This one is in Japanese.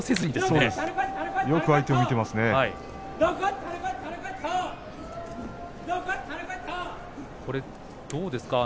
よく相手を見てますね。